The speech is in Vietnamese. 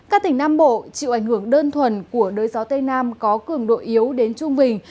các tỉnh nam bộ chịu ảnh hưởng đơn thuần của đới gió tây nam có cường độ yếu đến trung bình